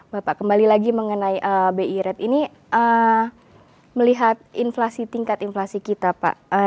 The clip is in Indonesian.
bapak kembali lagi mengenai bi rate ini melihat inflasi tingkat inflasi kita pak